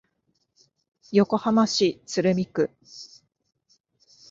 横浜市鶴見区